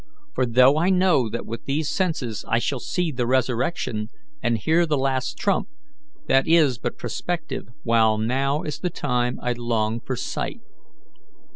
for though I know that with these senses I shall see the resurrection, and hear the last trump, that is but prospective, while now is the time I long for sight."